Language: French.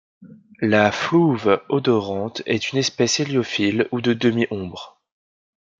La Flouve odorante est une espèce héliophile ou de demi-ombre.